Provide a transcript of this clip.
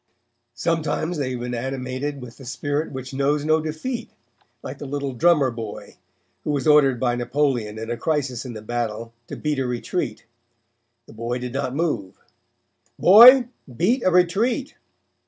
Sometimes they have been animated with the spirit which knows no defeat, like the little drummer boy, who was ordered by Napoleon in a crisis in the battle to beat a retreat. The boy did not move. 'Boy, beat a retreat.'